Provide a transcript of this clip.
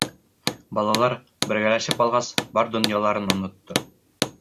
Балалар, бергәләшеп алғас, бар донъяларын онотто.